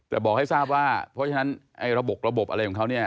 แต่บอกให้ทราบว่าเพราะฉะนั้นระบบระบบอะไรของเขาเนี่ย